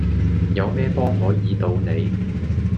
有咩幫可以到你?